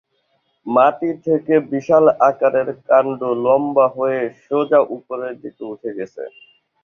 মাটি থেকে বিশাল আকারের কাণ্ড লম্বা হয়ে সোজা উপরের দিকে উঠে গেছে।